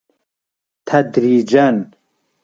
تدریجا